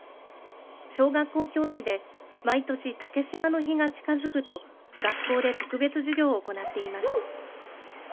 小学校教師で毎年、竹島の日が近づくと学校で特別授業を行っています。